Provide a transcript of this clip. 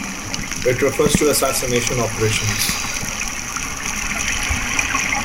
It refers to assassination operations.